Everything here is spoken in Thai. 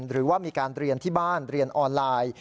หรือว่ามีการเรียนที่บ้านเรียนออนไลน์